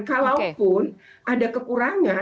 kalaupun ada kekurangan